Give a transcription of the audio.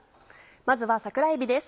まずは桜えびです。